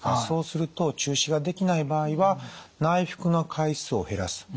そうすると中止ができない場合は内服の回数を減らす。